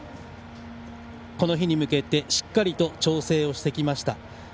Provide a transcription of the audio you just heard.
この日に向けて、しっかりと調整をしてきました。